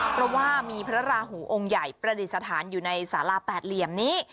เพราะว่ามีพระราหูองค์ใหญ่ประดิษฐานอยู่ในสาราแปดเหลี่ยมนี้